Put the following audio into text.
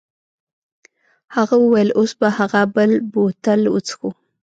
هغه وویل اوس به هغه بل بوتل وڅښو.